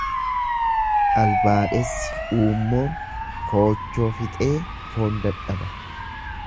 Albaadhessi uummoo koochoo fixee foon dadhaba.